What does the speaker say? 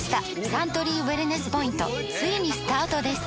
サントリーウエルネスポイントついにスタートです！